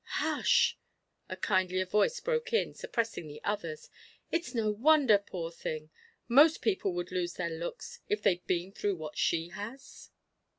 "Hush!" a kindlier voice broke in, suppressing the others. "It's no wonder, poor thing. Most people would lose their looks, if they'd been through what she has."